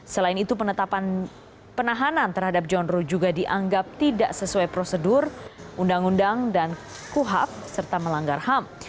selain itu penetapan penahanan terhadap john ruh juga dianggap tidak sesuai prosedur undang undang dan kuhab serta melanggar ham